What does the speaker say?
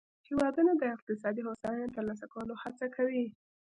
هیوادونه د اقتصادي هوساینې د ترلاسه کولو هڅه کوي